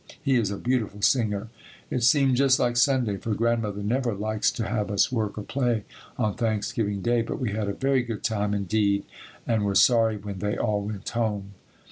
He is a beautiful singer. It seemed just like Sunday, for Grandmother never likes to have us work or play on Thanksgiving Day, but we had a very good time, indeed, and were sorry when they all went home.